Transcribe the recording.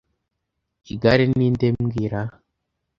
Igare ni nde mbwira